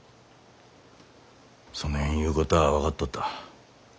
そねん言うこたあ分かっとった。